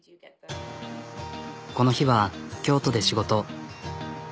この日は京都で仕事。